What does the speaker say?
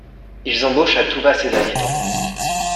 Ils embauchent à tout va ces derniers temps.